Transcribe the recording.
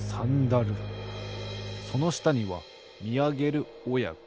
そのしたにはみあげるおやこ。